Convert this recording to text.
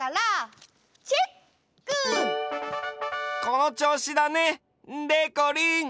このちょうしだねでこりん。